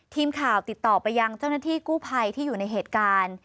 ทีมข่าวติดต่อไปยังเจ้าหน้าที่กู้ภัยที่อยู่ในเหตุการณ์